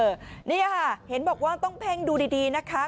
เออเนี้ยฮะเห็นบอกว่าต้องเพ่งดูดีดีนะคะ